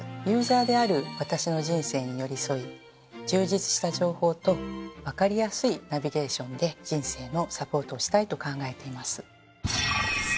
ユーザーである「わたし」の人生に寄り添い充実した情報と分かりやすいナビゲーションで人生のサポートをしたいと考えています。